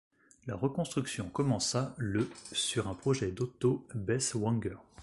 La reconstruction commença le sur un projet d'Otto Beisswänger.